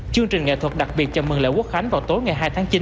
chương trình nghệ thuật đặc biệt chào mừng lễ quốc khánh vào tối ngày hai tháng chín